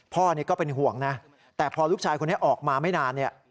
ก็เป็นห่วงนะแต่พอลูกชายคนนี้ออกมาไม่นานเนี่ย